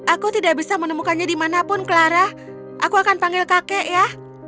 aku tidak bisa menemukannya di mana pun clara aku akan panggil kakek ya